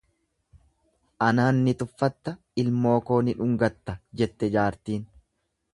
Anaan ni tuffatta ilmoo koo ni dhungatta, jette jaartiin.